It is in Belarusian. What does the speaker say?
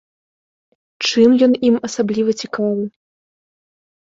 Чым ён ім асабліва цікавы?